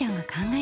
え！